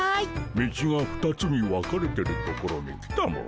道が２つに分かれてる所に来たモ。